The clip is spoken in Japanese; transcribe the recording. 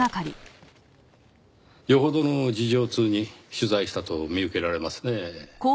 よほどの事情通に取材したと見受けられますねぇ。